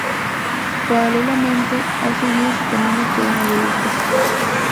Paralelamente ha seguido su camino como novelista.